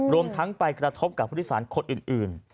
รวมทั้งไปกระทบกับผู้โดยสารคนอื่น